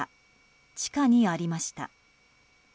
地下にありました。